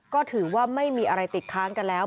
ก็ถือว่าไม่มีอะไรติดค้างกันแล้ว